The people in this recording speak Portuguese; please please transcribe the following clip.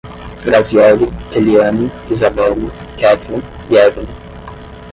Grazieli, Keliane, Izabele, Ketlen e Evilin